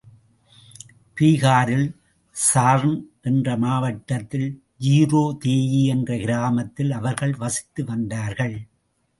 பீகாரில், சார்ண் என்ற மாவட்டத்தில் ஜீராதேயி என்ற கிராமத்தில் அவர்கள் வசித்து வந்தார்கள்.